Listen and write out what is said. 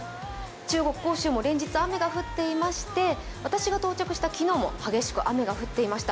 中国・杭州も連日雨が降っていまして私が到着した昨日も激しく雨が降っていました。